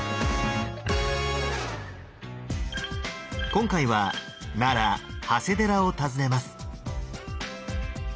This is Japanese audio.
今回は奈良長谷寺を訪ねます。